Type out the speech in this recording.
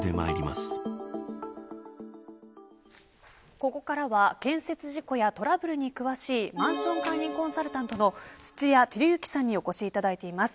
ここからは建設事故やトラブルに詳しいマンション管理コンサルタントの土屋輝之さんにお越しいただいています。